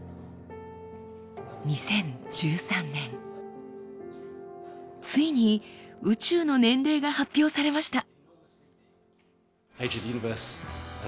２０１３年ついに宇宙の年齢が発表されました。